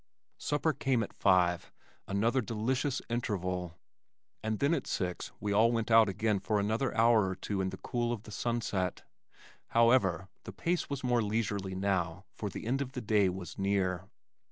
Supper came at five, another delicious interval and then at six we all went out again for another hour or two in the cool of the sunset. However, the pace was more leisurely now for the end of the day was near.